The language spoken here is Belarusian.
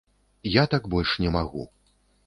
Я так больш не магу.